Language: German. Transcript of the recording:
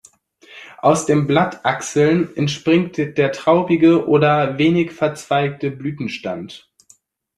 Aus den Blattachseln entspringt der traubige oder wenig verzweigte Blütenstand.